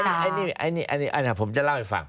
ไอ้หนูผมจะเล่าให้ฟัง